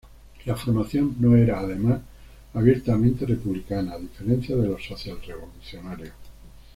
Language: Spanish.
La formación no era, además, abiertamente republicana, a diferencia de los socialrevolucionarios.